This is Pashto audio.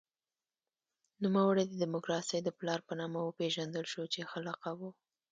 نوموړی د دموکراسۍ د پلار په نامه وپېژندل شو چې ښه لقب و.